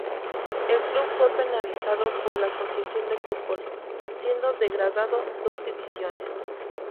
El club fue penalizado por la Asociación de fútbol, siendo degradado dos divisiones.